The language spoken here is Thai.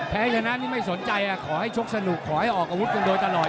แพ้ชนะนี่ไม่สนใจขอให้ชกสนุกขอให้ออกอาวุธกันโดยตลอด